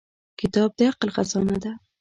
• کتاب د عقل خزانه ده.